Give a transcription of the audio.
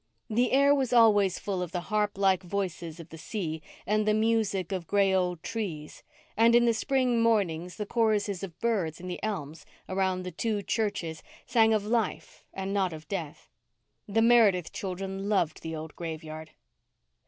The air was always full of the harp like voices of the sea, and the music of gray old trees, and in the spring mornings the choruses of birds in the elms around the two churches sang of life and not of death. The Meredith children loved the old graveyard.